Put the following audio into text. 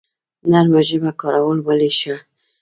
نرمه ژبه کارول ولې ښه دي؟